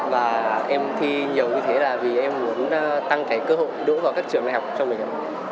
và em thi nhiều như thế là vì em muốn tăng cái cơ hội đỗ vào các trường đại học cho mình